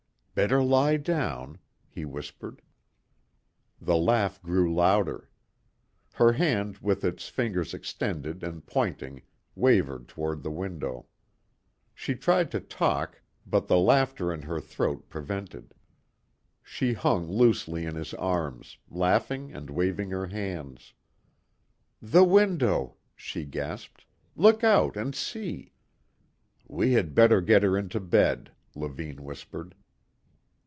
"Better lie down," he whispered. The laugh grew louder. Her hand with its fingers extended and pointing, wavered toward the window. She tried to talk but the laughter in her throat prevented. She hung loosely in his arms, laughing and waving her hands. "The window," she gasped, "look out and see!" "We had better get her into bed," Levine whispered.